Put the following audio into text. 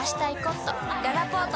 ららぽーと